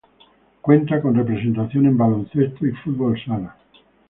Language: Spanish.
Cuenta con representación en baloncesto y fútbol sala.